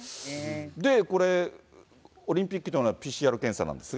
これ、オリンピックに伴うＰＣＲ検査なんですが。